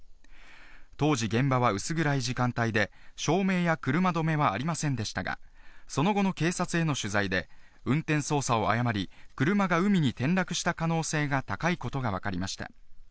当時現場は薄暗い時間帯で車どめはありませんでしたが、その後の警察への取材で運転操作を誤り、車が海に転落した可能性が高いことがわかりました。